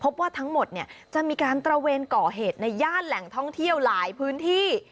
พบว่าทั้งหมดเนี่ยจะมีการตระเวนก่อเหตุในย่านแหล่งท่องเที่ยวหลายพื้นที่